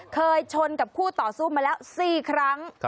เคยชนกับคู่ต่อสู้มาแล้ว๔ครั้ง